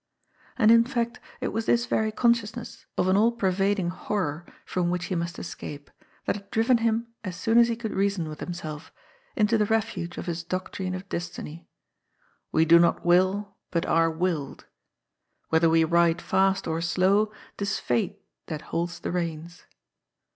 And in fact it was this very consciousness of an all pervad ing horror from which he must escape, that had driven him, as soon as he could reason with himself, into the refuge of his doctrine of Destiny. " We do not will, but are willed." *' Whether we ride fast or slow, 'tis fate that holds the reins."